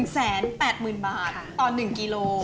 แสนแปดหมื่นบาทต่อ๑กิโล